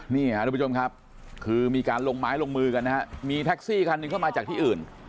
นี่ค่ะทุกผู้ชมครับคือมีการลงไม้ลงมือกันนะฮะมีแท็กซี่คันหนึ่งเข้ามาจากที่อื่น